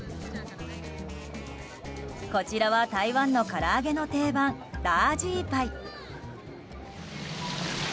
こちらは台湾のから揚げの定番、ダージーパイ。